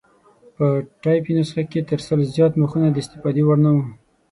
په ټایپي نسخه کې تر سل زیات مخونه د استفادې وړ نه وو.